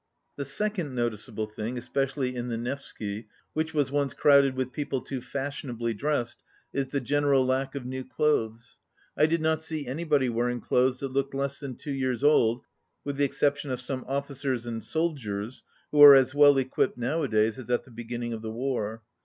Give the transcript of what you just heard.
The second noticeable thing, especially in the Nevsky, which was once crowded with people too fashionably dressed, is the general lack of new clothes. I did not see anybody wearing clothes that looked less than two years old, with the ex ception of some officers and soldiers who are as well equipped nowadays as at the beginning of the war.